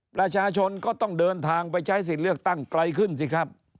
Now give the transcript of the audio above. ประชาชนก็ต้องเดินทางไปใช้สิทธิ์เลือกตั้งไกลขึ้นสิครับ